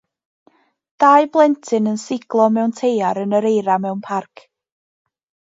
Dau blentyn yn siglo mewn teiar yn yr eira mewn parc.